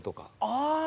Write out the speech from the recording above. ああ。